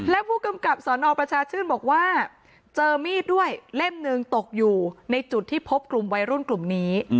และผู้กำกับสนประชาชื่นบอกว่าเจอมีดด้วยเล่มหนึ่งตกอยู่ในจุดที่พบกลุ่มวัยรุ่นกลุ่มนี้